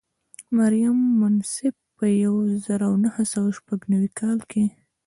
مریم منصف په یو زر او نهه سوه شپږ نوي کال کې.